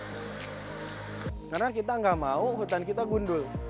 karena kita tidak mau hutan kita gundul